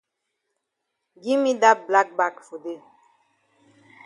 Gi me dat black bag for dey.